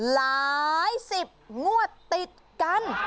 หลายสิบงวดติดกัน